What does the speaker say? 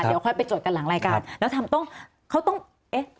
เดี๋ยวค่อยไปจดกันหลังรายการ